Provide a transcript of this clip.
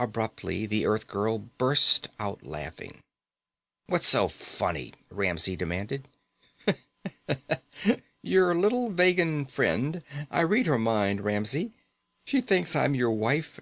Abruptly the Earthgirl burst out laughing. "What's so funny?" Ramsey demanded. "Your little Vegan friend. I read her mind, Ramsey. She thinks I'm your wife.